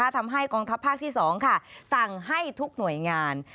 ทำให้กองทัพภาคที่๒สั่งให้ทุกหน่วยงาน